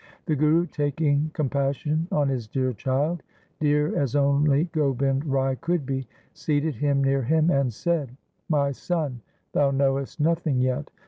The Guru taking com passion on his dear child — dear as only Gobind Rai could be — seated him near him and said, ' My son, thou knowest nothing yet.